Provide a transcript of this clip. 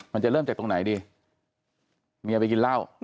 มันจะเริ่มจากตรงไหนดีเมียไปกินเหล้า